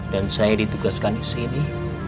saya ditugaskan di sini